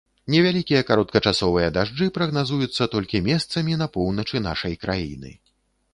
Невялікія кароткачасовыя дажджы прагназуюцца толькі месцамі на поўначы нашай краіны.